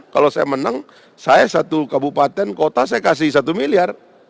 kalau saya menang saya satu kabupaten kota saya kasih satu miliar